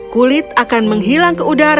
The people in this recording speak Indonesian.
kulit akan menghilang ke udara